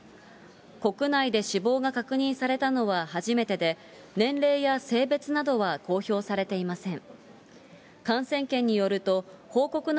国内で死亡が確認されたのは初めてで、年齢や性別などは公表されていません。